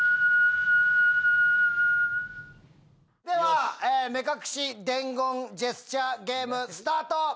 では目隠し伝言ジェスチャーゲームスタート！